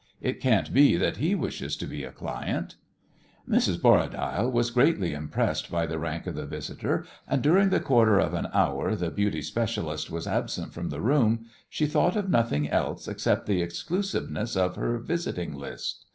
It can't be that he wishes to be a client." Mrs. Borradaile was greatly impressed by the rank of the visitor, and during the quarter of an hour the "beauty specialist" was absent from the room she thought of nothing else except the exclusiveness of her visiting list.